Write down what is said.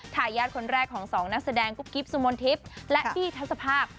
ถ่ายญาติคนแรกของสองนักแสดงกุ๊บกิ๊บซมนธิปและบี้ทัศนภาค